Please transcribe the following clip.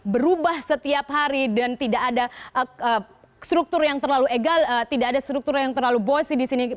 berubah setiap hari dan tidak ada struktur yang terlalu bossy di sini